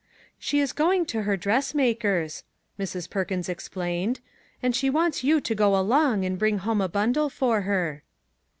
" She is going to her dressmaker's," Mrs. Perkins explained, " and she wants you to go along and bring home a bundle for her."